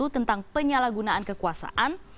tentang penyalahgunaan kekuasaan